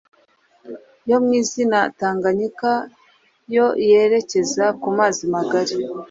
yo mu izina Tanganyika yo yerekeza ku mazi magari